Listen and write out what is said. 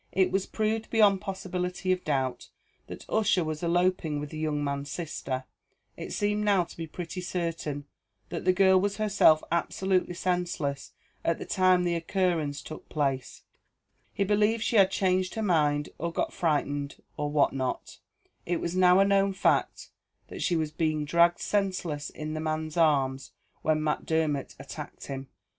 It was proved beyond possibility of doubt that Ussher was eloping with the young man's sister; it seemed now to be pretty certain that the girl was herself absolutely senseless at the time the occurrence took place; he believed she had changed her mind, or got frightened, or what not; it was now a known fact, that she was being dragged senseless in the man's arms, when Macdermot attacked him.